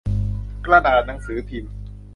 กระดาษหนังสือพิมพ์